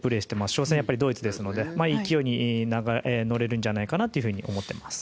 初戦はドイツですので勢いに乗れるんじゃないかなと思っています。